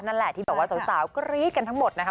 นั่นแหละที่แบบว่าสาวกรี๊ดกันทั้งหมดนะคะ